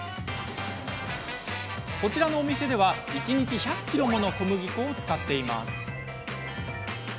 こちらのお店では一日１００ｋｇもの小麦粉を使っています。